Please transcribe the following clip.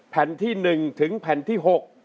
แผ่นที่๑ถึงแผ่นที่๖